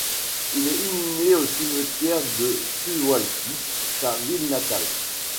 Il est inhumé au cimetière de Suwałki, sa ville natale.